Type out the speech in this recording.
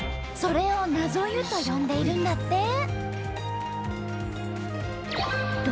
それを「なぞ湯」と呼んでいるんだって。